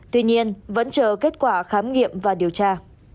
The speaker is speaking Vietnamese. tuy nhiên vẫn chờ kết quả khám nghiệm và điều tra